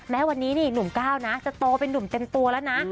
แม้วันนี้นี่หนุ่มก้าวนะจะโตเป็นนุ่มเต็มตัวแล้วนะ